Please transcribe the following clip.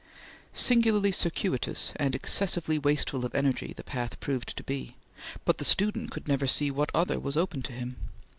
Singularly circuitous and excessively wasteful of energy the path proved to be, but the student could never see what other was open to him.